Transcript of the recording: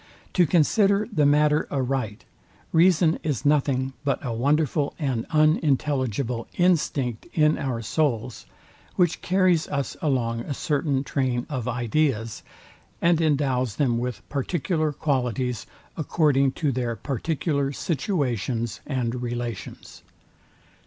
To consider the matter aright, reason is nothing but a wonderful and unintelligible instinct in our souls, which carries us along a certain train of ideas, and endows them with particular qualities, according to their particular situations and relations.